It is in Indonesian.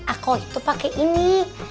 aku itu pakai ini